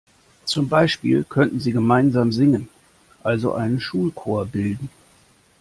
Zum Beispiel könnten sie gemeinsam singen, also einen Schulchor bilden.